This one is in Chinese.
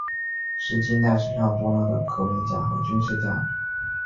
是近代史上重要的革命家和军事家。